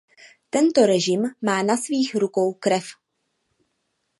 Tento režim má na svých rukou krev.